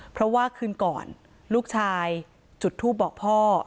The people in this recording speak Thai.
เพราะว่าคืนก่อนลูกชายจุดทูปบอกพ่อ